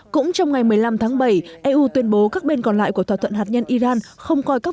cũng trong ngày một mươi năm tháng bảy eu tuyên bố các bên còn lại của thỏa thuận hạt nhân iran không coi các